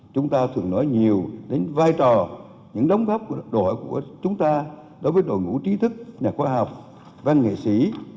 chúng ta thường nói nhiều đến vai trò những đóng góp của đội của chúng ta đối với đổi ngũ chi thức nhà khoa học văn nghệ sĩ